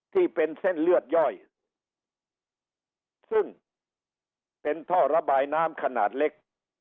ที่เป็นเส้นเลือดย่อยซึ่งเป็นท่อระบายน้ำขนาดเล็ก